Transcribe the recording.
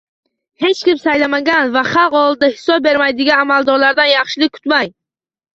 Hech kim saylamagan va xalq oldida hisob bermaydigan amaldorlardan yaxshilik kutmang